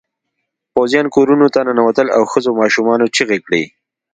پوځيان کورونو ته ننوتل او ښځو ماشومانو چیغې کړې.